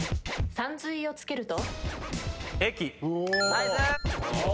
さんずいをつけると？